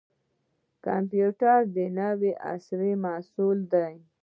کمپیوټر د نوي عصر محصول دی